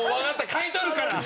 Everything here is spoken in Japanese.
買い取るから！